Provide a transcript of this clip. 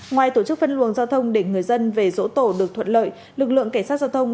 ngoài tổ chức phân luồng giao thông để người dân về dỗ tổ được thuận lợi lực lượng cảnh sát giao thông